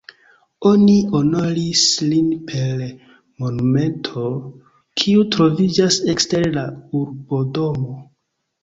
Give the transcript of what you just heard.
Oni honoris lin per monumento, kiu troviĝas ekster la urbodomo.